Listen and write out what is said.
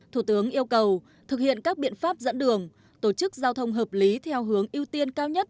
thủ tướng yêu cầu thực hiện các biện pháp dẫn đường tổ chức giao thông hợp lý theo hướng ưu tiên cao nhất